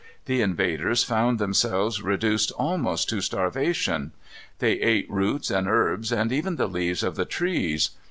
The invaders found themselves reduced almost to starvation. They ate roots and herbs, and even the leaves of the trees.